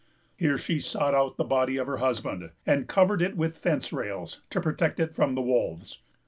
Here she sought out the body of her husband, and covered it with fence rails, to protect it from the wolves.